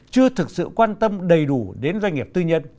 chưa thực sự quan tâm đầy đủ đến doanh nghiệp tư nhân